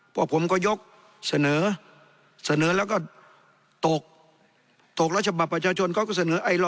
พวกผมก็ยกเสนอเสนอแล้วก็ตกตกแล้วฉบับประชาชนเขาก็เสนอไอลอ